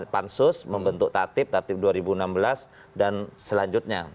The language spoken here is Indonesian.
pansus membentuk tatip tatip dua ribu enam belas dan selanjutnya